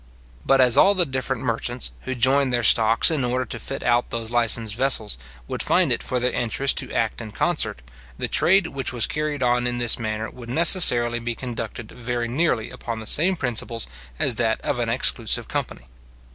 But as all the different merchants, who joined their stocks in order to fit out those licensed vessels, would find it for their interest to act in concert, the trade which was carried on in this manner would necessarily be conducted very nearly upon the same principles as that of an exclusive company.